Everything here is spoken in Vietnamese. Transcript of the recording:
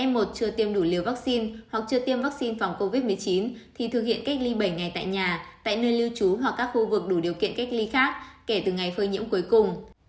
f một chưa tiêm đủ liều vaccine hoặc chưa tiêm vaccine phòng covid một mươi chín thì thực hiện cách ly bảy ngày tại nhà tại nơi lưu trú hoặc các khu vực đủ điều kiện cách ly khác kể từ ngày phơi nhiễm cuối cùng